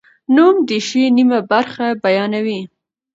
نوم د شي نیمه برخه بیانوي.